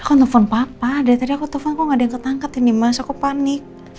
aku telfon papa dari tadi aku telfon kok gak diangkat angkat ini mas aku panik